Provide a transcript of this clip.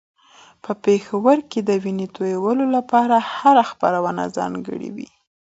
په پېښور کې د وينو تویولو لپاره هره خپرونه ځانګړې وه.